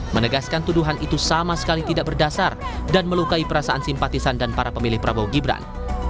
menegaskan tuduhan itu sama sekali tidak berdasar dan melukai perasaan simpatisan dan para pemilih prabowo gibran